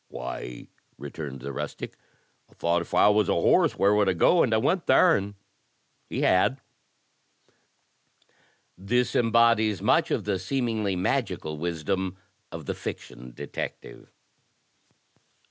"Why," returned the rustic, "I thought if I was a horse, where would I go. And I went there, and he had." This embodies much of the seemingly magical wisdom of the fiction detective.